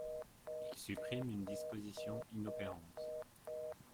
Il supprime une disposition inopérante.